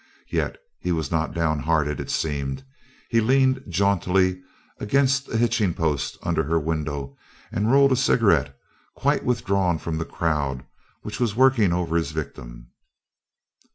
Yet he was not downhearted, it seemed. He leaned jauntily against a hitching post under her window and rolled a cigarette, quite withdrawn from the crowd which was working over his victim.